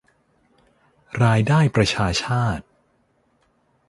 รายได้ประชาชาติ